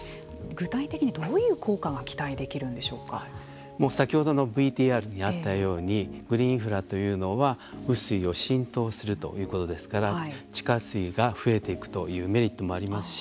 具体的にどういう効果が先ほどのＶＴＲにあったようにグリーンインフラというのは雨水を浸透するということですから地下水が増えていくというメリットもありますし